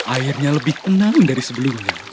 airnya lebih tenang dari sebelumnya